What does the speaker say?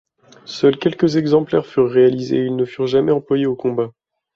Seuls quelques exemplaires furent réalisés et ils ne furent jamais employés au combat.